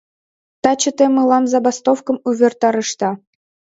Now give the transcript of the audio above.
Таче те мылам забастовкым увертарышда!